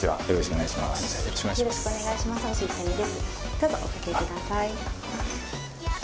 どうぞお掛けください。